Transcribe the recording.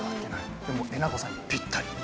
えなこさんにぴったり。